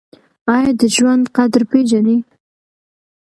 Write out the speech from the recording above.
ایا د ژوند قدر پیژنئ؟